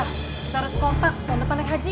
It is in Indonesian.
kita harus kontak dan depan naik haji